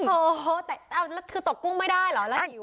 โอ้โหแล้วคือตกกุ้งไม่ได้เหรอ